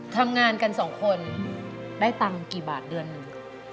ทำงานกันสองคนได้ตังค์กี่บาทเดือนหนึ่ง